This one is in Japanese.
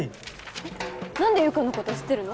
なんで優佳のこと知ってるの？